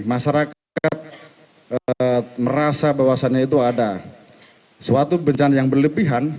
masyarakat merasa bahwasannya itu ada suatu bencana yang berlebihan